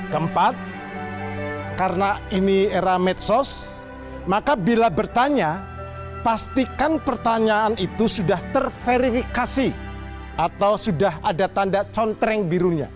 keempat karena ini era medsos maka bila bertanya pastikan pertanyaan itu sudah terverifikasi atau sudah ada tanda contreng birunya